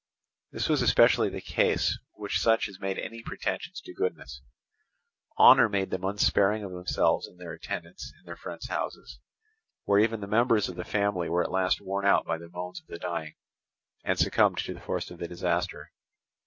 This was especially the case with such as made any pretensions to goodness: honour made them unsparing of themselves in their attendance in their friends' houses, where even the members of the family were at last worn out by the moans of the dying, and succumbed to the force of the disaster.